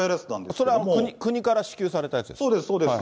それは国から支給されたやつですか？